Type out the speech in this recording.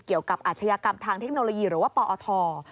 เกี่ยวกับอาชญากรรมทางเทคโนโลยีหรือว่าปอท